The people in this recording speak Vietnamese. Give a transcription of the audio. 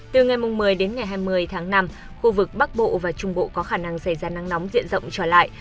từ ngày một mươi đến ngày hai mươi tháng năm khu vực bắc bộ và trung bộ có khả năng xảy ra nắng nóng diện rộng trở lại